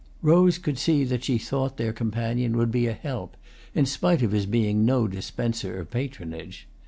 Rose could see that she thought their companion would be a help, in spite of his being no dispenser of patronage.